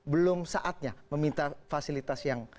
belum saatnya meminta fasilitas yang